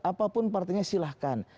apapun partainya silahkan